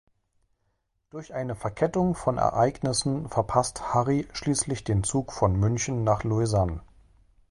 Durch eine Verkettung von Ereignissen verpasst Harry schließlich den Zug von München nach Lausanne.